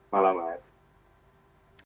selamat malam pak